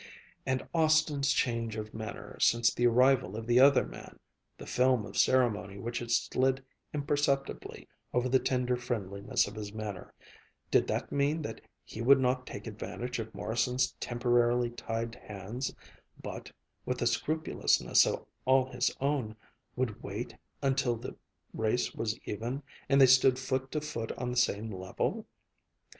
And Austin's change of manner since the arrival of the other man, the film of ceremony which had slid imperceptibly over the tender friendliness of his manner, did that mean that he would not take advantage of Morrison's temporarily tied hands, but, with a scrupulousness all his own, would wait until the race was even and they stood foot to foot on the same level?